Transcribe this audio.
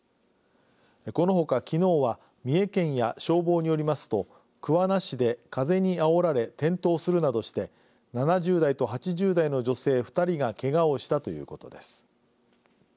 このほか、きのうは三重県や消防によりますと桑名市で風にあおられ転倒するなどして７０代と８０代の女性２人がけがをしたということです。